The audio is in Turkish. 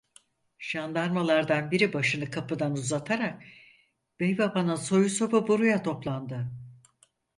Jandarmalardan biri başını kapıdan uzatarak: "Beybaba'nın soyu sopu buraya toplandı!".